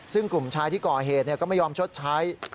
ซึ่งกลุ่มชายที่ก่อเหตุก็ไม่ยอมชดใช้